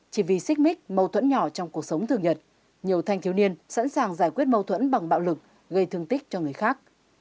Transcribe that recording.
chỉ vì xích mít mâu thuẫn nhỏ trong cuộc sống thường nhật nhiều thanh thiếu niên sẵn sàng giải quyết mâu thuẫn bằng bạo lực gây thương tích cho người khác